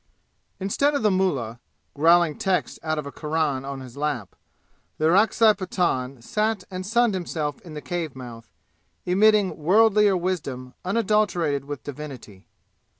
Instead of the mullah, growling texts out of a Quran on his lap, the Orakzai Pathan sat and sunned himself in the cave mouth, emitting worldlier wisdom unadulterated with divinity.